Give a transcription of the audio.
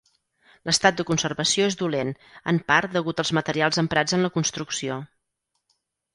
L'estat de conservació és dolent, en part degut als materials emprats en la construcció.